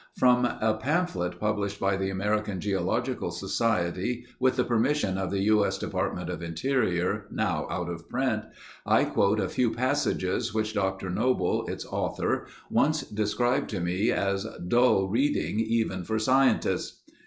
From a pamphlet published by the American Geological Society with the permission of the U. S. Dept. of Interior, now out of print, I quote a few passages which Doctor Noble, its author, once described to me as "dull reading, even for scientists."